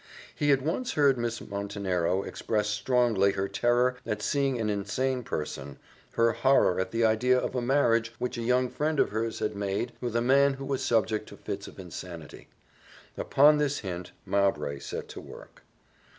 He had once heard Miss Montenero express strongly her terror at seeing an insane person her horror at the idea of a marriage which a young friend of hers had made with a man who was subject to fits of insanity. Upon this hint Mowbray set to work.